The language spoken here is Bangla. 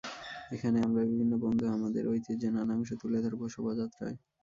এখানে আমরা বিভিন্ন বন্ধু আমাদের ঐতিহ্যের নানা অংশ তুলে ধরব শোভাযাত্রায়।